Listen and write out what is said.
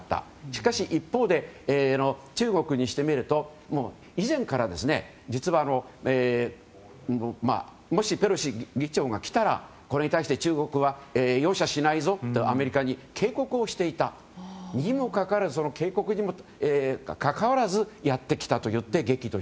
しかし一方で中国にしてみると以前からもし、ペロシ議長が来たらこれに対して中国は容赦しないぞとアメリカに警告をしていたにもかかわらず今夜は生放送でお送りしています。